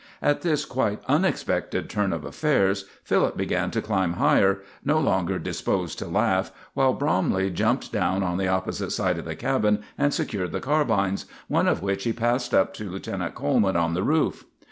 At this quite unexpected turn in affairs Philip began to climb higher, no longer disposed to laugh, while Bromley jumped down on the opposite side of the cabin and secured the carbines, one of which he passed up to Lieutenant Coleman on the roof.